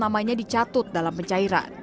namanya dicatut dalam pencairan